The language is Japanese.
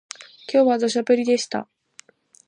今日は土砂降りでした